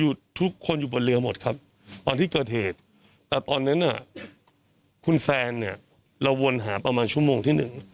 ทุกคนอยู่บนเรือหมดครับตอนที่เกิดเหตุแต่ตอนนั้นน่ะคุณแซนเนี่ยเราวนหาประมาณชั่วโมงที่หนึ่ง